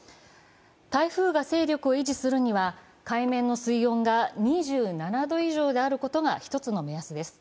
台風が勢力を維持するには、海面の水温が２７度以上であることが一つの目安です。